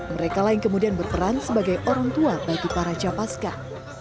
mereka lain kemudian berperan sebagai orang tua bagi para capaskan